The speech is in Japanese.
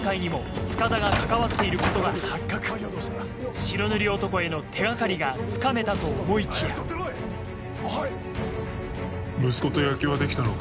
塚田が白塗り男への手掛かりがつかめたと思いきや息子と野球はできたのか？